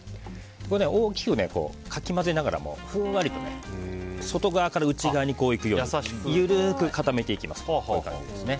大きくかき混ぜながらふんわりと外側から内側にいくように緩く固めていきます。